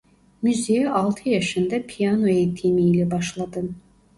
Müziğe altı yaşında piyano eğitimi ile başladı.